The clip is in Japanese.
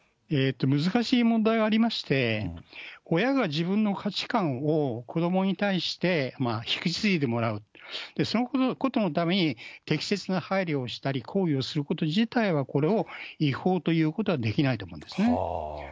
難しい問題がありまして、親が自分の価値観を子どもに対して引き継いでもらう、そのことのために適切な配慮をしたり、行為をすること自体は、これを違法ということはできないと思うんですね。